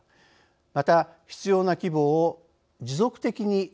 また「必要な規模を持続的に活用する」